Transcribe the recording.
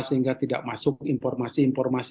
sehingga tidak masuk informasi informasi